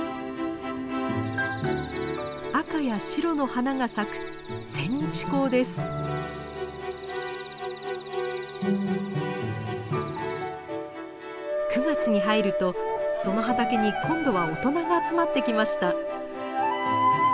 赤や白の花が咲く９月に入るとその畑に今度は大人が集まってきました。